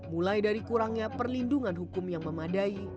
mulai dari kurangnya perlindungan hukum yang memadai